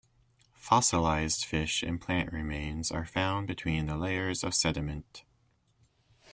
Fossilised fish and plant remains are found between the layers of sediment.